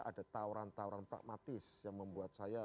ada tawaran tawaran pragmatis yang membuat saya